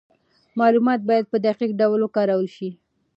معلومات باید په دقیق ډول وکارول سي.